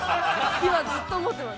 今、ずっと思ってます。